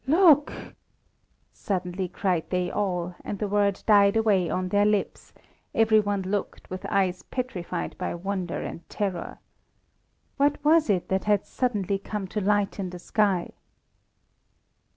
"Look!" suddenly cried they all, and the word died away on their lips; every one looked, with eyes petrified by wonder and terror. What was it that had suddenly come to light in the sky?